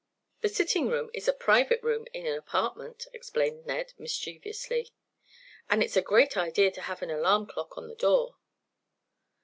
"The sitting room is a private room in an apartment," explained Ned, mischievously, "and it's a great idea to have an alarm clock on the door."